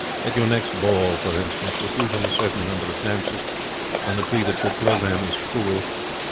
At your next ball, for instance, refuse him a certain number of dances, on the plea that your programme is full.